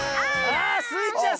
あスイちゃん